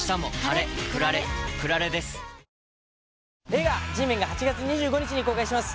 映画「Ｇメン」が８月２５日に公開します